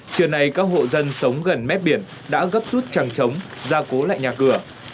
trưa nay các hộ dân sống gần mép biển đã gấp rút chẳng trống ra cố lại nhà cửa